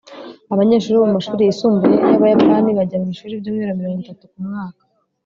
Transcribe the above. abanyeshuri bo mumashuri yisumbuye yabayapani bajya mwishuri ibyumweru mirongo itatu kumwaka